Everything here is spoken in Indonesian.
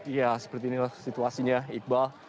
ya seperti inilah situasinya iqbal